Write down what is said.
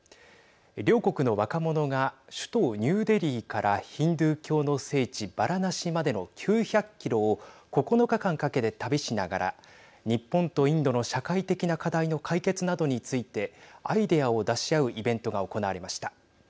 両国の若者が首都ニューデリーからヒンドゥー教の聖地バラナシまでの９００キロを９日間かけて旅しながら日本とインドの社会的な課題の解決などについてアイデアを出し合うイベントが行われました。